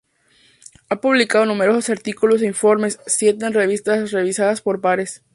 Ha publicado numerosos artículos e informes, siete en revistas revisadas por pares.